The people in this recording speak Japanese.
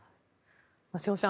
瀬尾さん